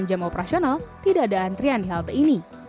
pembatasan jam operasional tidak ada antrean di halte ini